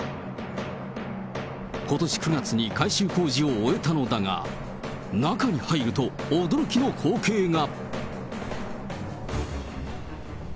ことし９月に改修工事を終えたのだが、中に入ると、驚きの光景が。